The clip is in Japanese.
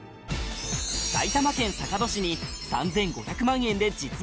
埼玉県坂戸市に３５００万円で実現